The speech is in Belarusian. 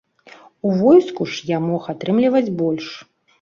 У войску ж я мог атрымліваць больш.